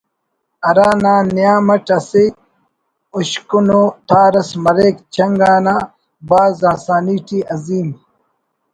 ہرا نا نیام اٹ اسہ ہشکنءُ تار اس مریک چنگ آ بھاز آسانی ٹی عظیم